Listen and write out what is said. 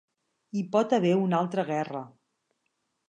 Hi pot haver una altra guerra.